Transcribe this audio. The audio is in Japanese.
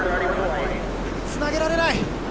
つなげられない。